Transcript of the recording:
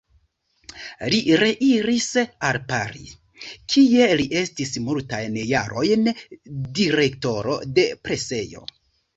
Li reiris al Paris, kie li estis multajn jarojn direktoro de presejo.